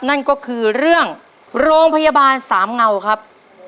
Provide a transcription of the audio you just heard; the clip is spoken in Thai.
นั่นก็คือเรื่องโรงพยาบาลสามเงาครับ